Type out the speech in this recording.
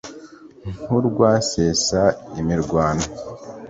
nk' urwa sesa imirwano